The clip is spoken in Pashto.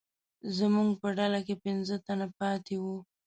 زموږ په ډله کې پنځه تنه پاتې وو.